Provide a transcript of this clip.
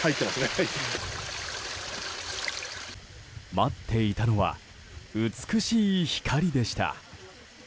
待っていたのは美しい光でした。